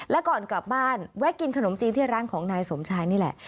และก่อนกลับบ้านแวะกินขนมจีนที่ร้านของนายสมชายนี่แหละ